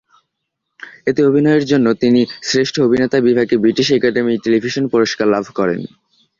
এতে অভিনয়ের জন্য তিনি শ্রেষ্ঠ অভিনেতা বিভাগে ব্রিটিশ একাডেমি টেলিভিশন পুরস্কার লাভ করেন।